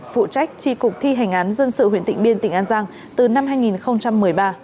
phụ trách tri cục thi hành án dân sự huyện tỉnh biên tỉnh an giang từ năm hai nghìn một mươi ba